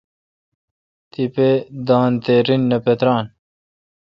تیپہ دان تے رن نہ پتران۔